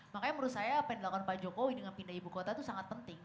makanya menurut saya pendidikan pak jokowi dengan pindah ibu kota itu sangat penting